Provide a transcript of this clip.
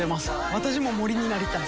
私も森になりたい。